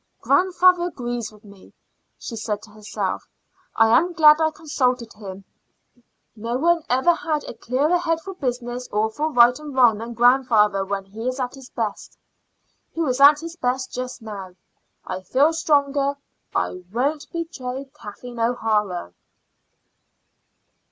"Grandfather agrees with me," she said to herself. "I am glad I consulted him. No one ever had a clearer head for business or for right and wrong than grandfather when he is at his best. He was at his best just now. I feel stronger. I won't betray Kathleen O'Hara."